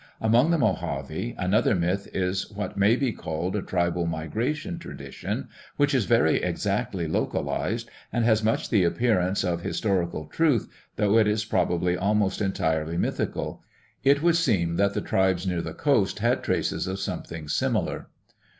Among the Mohave another myth is what may be called a tribal migration tradition which is very exactly localized and has much the appearance of historical truth though it is probably almost entirely mythical; it would seem that the tribes near the coast had traces of something similar.